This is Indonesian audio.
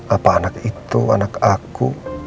apa anak itu anak aku